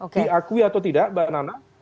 diakui atau tidak mbak nana